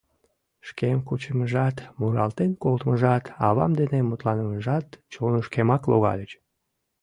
Шкем кучымыжат, муралтен колтымыжат, авам дене мутланымыжат чонышкемак логальыч...